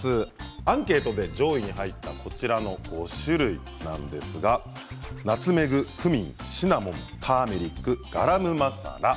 アンケートで上位に入った５種類なんですがナツメグ、クミン、シナモンターメリック、ガラムマサラ